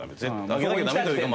上げなきゃダメというか。